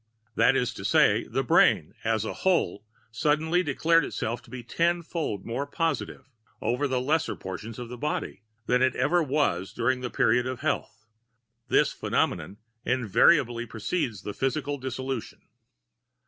That is to say, the brain, as a whole, suddenly declared itself to be tenfold more positive, over the lesser proportions of the body, than it ever was during the period of health. This phenomenon invariably precedes physical dissolution.